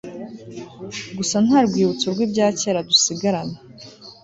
gusa nta rwibutso rw'ibyakera dusigarana